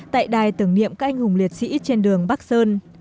tại đài tưởng niệm các anh hùng liệt sĩ trên đường bắc sơn